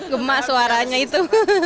gemak suaranya itu